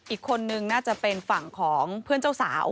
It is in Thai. อีกคนนึงน่าจะเป็นฝั่งของเพื่อนเจ้าสาว